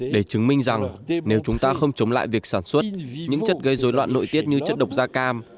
để chứng minh rằng nếu chúng ta không chống lại việc sản xuất những chất gây dối loạn nội tiết như chất độc da cam